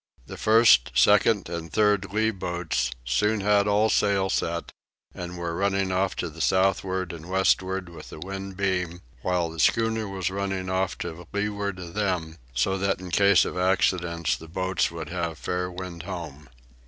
The first, second, and third lee boats soon had all sail set and were running off to the southward and westward with the wind beam, while the schooner was running off to leeward of them, so that in case of accident the boats would have fair wind home.